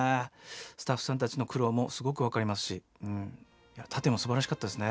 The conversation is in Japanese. スタッフさんたちの苦労もすごく分かりますし殺陣もすばらしかったですね。